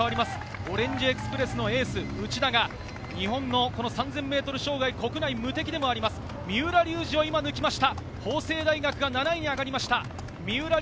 オレンジエクスプレスのエース・内田が日本の３０００ｍ障害、国内無敵でもある三浦龍司を抜きました。